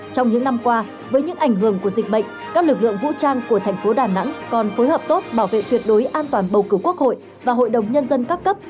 trong những năm qua với những ảnh hưởng của dịch bệnh các lực lượng vũ trang của thành phố đà nẵng còn phối hợp tốt bảo vệ tuyệt đối an toàn bầu cử quốc hội và hội đồng nhân dân các cấp